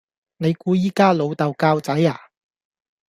你估依家老豆教仔呀?